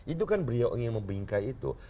itu kan beliau ingin membingkai itu